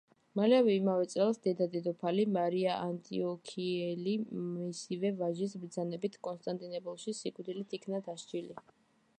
მალევე, იმავე წელს დედა-დედოფალი მარია ანტიოქიელი მისივე ვაჟის ბრძანებით კონსტანტინოპოლში სიკვდილით იქნა დასჯილი.